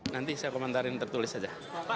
nanti saya komentarin tertulis saja